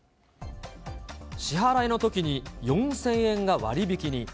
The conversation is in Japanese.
支払いのときに４０００円が割引に。